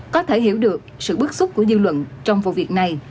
có thể hiểu được sự bức xúc của dư luận trong vụ việc này